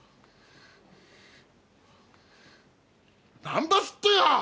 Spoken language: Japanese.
何ばすっとや！